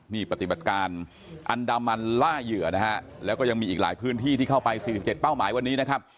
นี่ปฏิบัติการอันดามันล่าเหยื่อนะฮะแล้วก็ยังมีอีกหลายพื้นที่ที่เข้าไป๔๗เป้าหมายวันนี้นะครับ